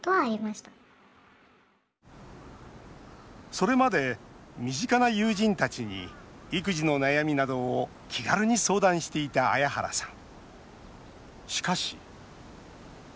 それまで身近な友人たちに育児の悩みなどを気軽に相談していた彩原さん。